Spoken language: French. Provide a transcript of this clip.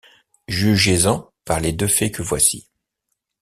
Jugez-en par les deux faits que voici.